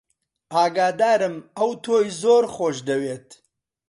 ئاگادارم ئەو تۆی زۆر خۆش دەوێت.